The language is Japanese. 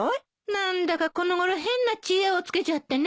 何だかこのごろ変な知恵をつけちゃってね。